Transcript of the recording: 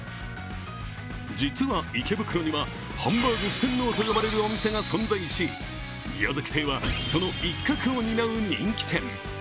実は池袋にはハンバーグ四天王と呼ばれるお店が存在し宮崎亭はその一角を担う人気店。